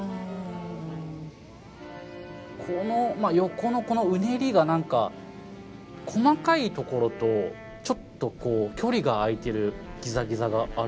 この横のこのうねりが何か細かいところとちょっとこう距離が空いてるギザギザがあるんですよね。